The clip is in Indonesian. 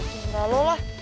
gak ada lu lah